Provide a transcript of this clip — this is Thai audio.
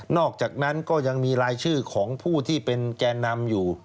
อกจากนั้นก็ยังมีรายชื่อของผู้ที่เป็นแก่นำอยู่